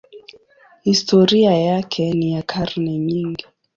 Historia yake ni ya karne nyingi.